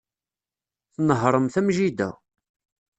Tnehhṛemt am jida.